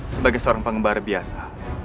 sebagai seorang pengembara biasa